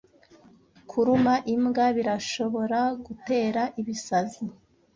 Kuruma imbwa birashobora gutera ibisazi